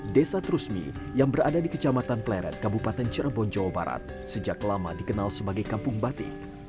desa trusmi yang berada di kecamatan pleret kabupaten cirebon jawa barat sejak lama dikenal sebagai kampung batik